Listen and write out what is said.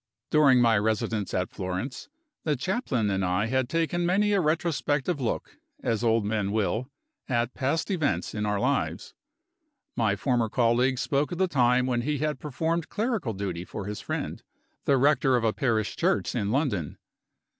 During my residence at Florence, the Chaplain and I had taken many a retrospective look (as old men will) at past events in our lives. My former colleague spoke of the time when he had performed clerical duty for his friend, the rector of a parish church in London.